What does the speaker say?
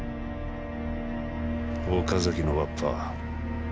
岡崎のわっぱ。